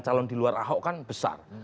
calon di luar ahok kan besar